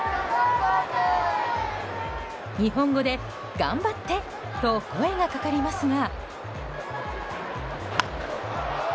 日本語で頑張ってと声がかかりますが。